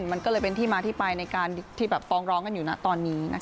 มันก็เลยเป็นที่มาที่ไปในการที่ฟ้องร้องกันอยู่นะตอนนี้